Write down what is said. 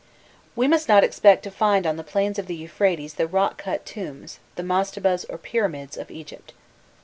We must not expect to find on the plains of the Euphrates the rock cut tombs, the mastabas or pyramids, of Egypt.